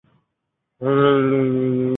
赶快来吃钩